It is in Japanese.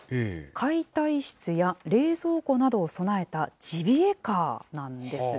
解体室や冷蔵庫などを備えたジビエカーなんです。